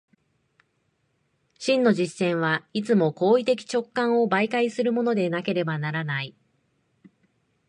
真の実践はいつも行為的直観を媒介するものでなければならない。